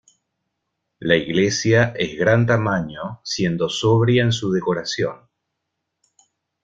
La iglesia es gran tamaño, siendo sobria en su decoración.